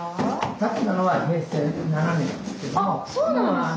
あそうなんですね。